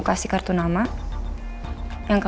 banget ke awakened